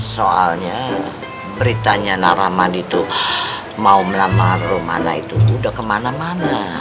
soalnya beritanya naramadi tuh mau melamar rumana itu udah kemana mana